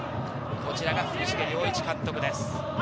こちらが福重良一監督です。